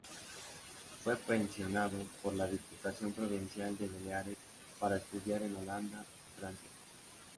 Fue pensionado por la Diputación Provincial de Baleares para estudiar en Holanda y Francia.